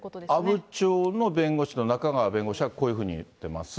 阿武町の弁護士の中川弁護士はこういうふうに言ってます。